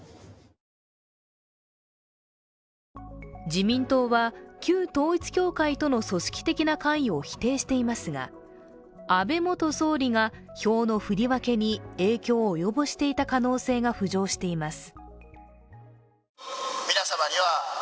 自民党は旧統一教会との組織的な関与を否定していますが、安倍元総理が票の振り分けに影響を及ぼしていた可能性が浮上しています。